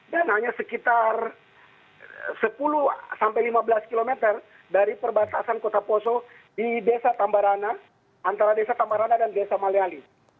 hanya sekitar sepuluh sampai lima belas km dari perbatasan kota poso di desa tambarana antara desa tambarana dan desa maliali